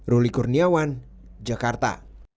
ruli kurniawan jakarta